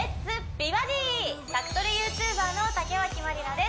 美バディ」宅トレＹｏｕＴｕｂｅｒの竹脇まりなです